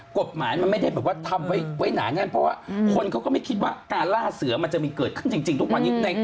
กฎหมายมันไม่ได้ทำไว้ไหน